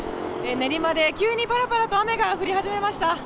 練馬で急にぱらぱらと雨が降り始めました。